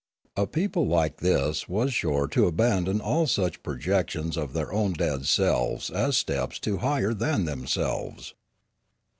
A people like this was sure to abandon all such projections of their own dead selves as steps to higher than themselves.